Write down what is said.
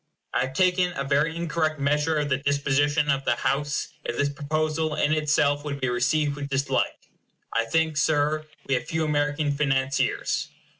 I have taken a very incorrect measure of the disposition of the House if this proposal in itself would be received with dislike. I think, Sir, we have few American financiers.